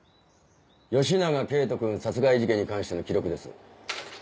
吉長圭人君殺害事件に関しての記録です。